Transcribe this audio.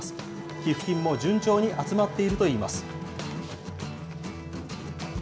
寄付金も順調に集まっているといいます。